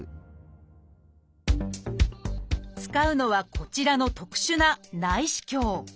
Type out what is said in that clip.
使うのはこちらの特殊な内視鏡